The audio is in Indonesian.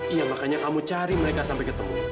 iya makanya kamu cari mereka sampai ketemu